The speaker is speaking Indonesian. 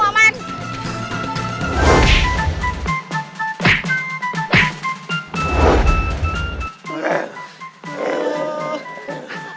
aku takut aku takut